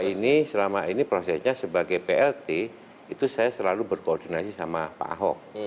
selama ini selama ini prosesnya sebagai plt itu saya selalu berkoordinasi sama pak ahok